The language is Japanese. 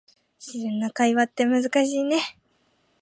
自然な会話って難しいね